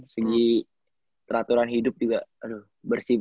segi teraturan hidup juga bersih